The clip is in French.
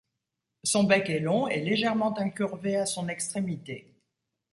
Son bec est long et légèrement incurvé à son extrémité.